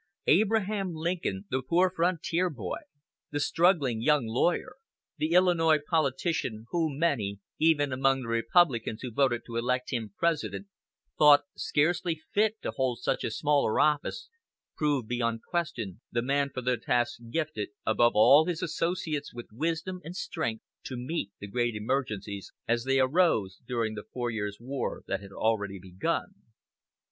Abraham Lincoln, the poor frontier boy, the struggling young lawyer, the Illinois politician, whom many, even among the Republicans who voted to elect him President, thought scarcely fit to hold a much smaller office, proved beyond question the man for the task gifted above all his associates with wisdom and strength to meet the great emergencies as they arose during the four years' war that had already begun.